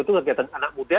itu kegiatan anak muda